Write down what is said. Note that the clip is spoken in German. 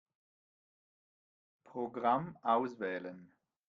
Programm auswählen.